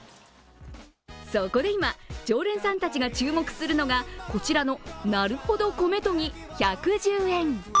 そこで今、常連さんたちが注目するのが、こちらのなるほど米とぎ、１１０円。